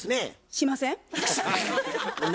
しません。